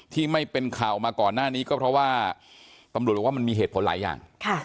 ที่ไม่เป็นข่าวมาก่อนหน้านี้ก็เพราะว่าตำรวจบอกว่ามันมีเหตุผลหลายอย่าง